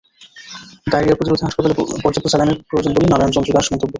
Diarrhoea প্রতিরোধে হাসপাতালে পর্যাপ্ত স্যালাইনের প্রয়োজন বলে নারায়ণ চন্দ্র দাস মন্তব্য করেন।